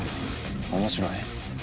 面白い。